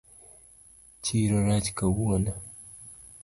Chiro rach kawuono